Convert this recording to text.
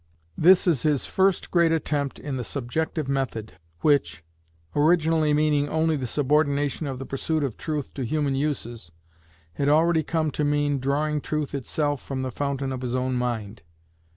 This is his first great attempt in the "Subjective Method," which, originally meaning only the subordination of the pursuit of truth to human uses, had already come to mean drawing truth itself from the fountain of his own mind.